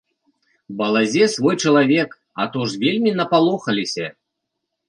Балазе свой чалавек, а то ж вельмі напалохаліся.